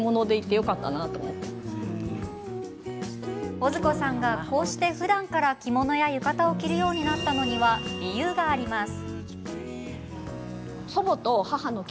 オズコさんがこうして、ふだんから着物や浴衣を着るようになったのには理由があります。